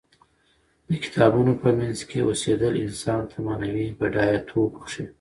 د کتابونو په منځ کې اوسیدل انسان ته معنوي بډایه توب بښي.